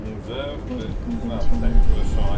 Post convencional.